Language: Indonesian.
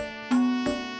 ada apa be